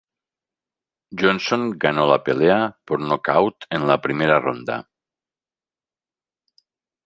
Johnson ganó la pelea por nocaut en la primera ronda.